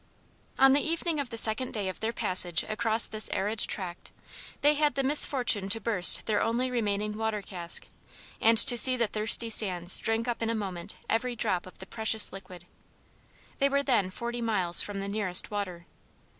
On the evening of the second day of their passage across this arid tract they had the misfortune to burst their only remaining water cask, and to see the thirsty sands drink up in a moment every drop of the precious liquid. They were then forty miles from the nearest water.